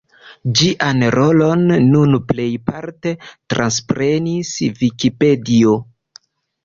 Ĝian rolon nun plejparte transprenis Vikipedio.